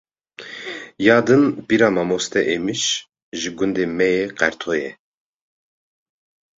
Ya din pîra mamoste Êmiş ji gundê me yê Qerto ye